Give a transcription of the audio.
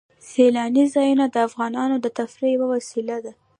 سیلانی ځایونه د افغانانو د تفریح یوه وسیله ده.